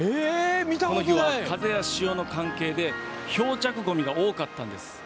この日は風や潮の関係で漂着ごみが多かったんです。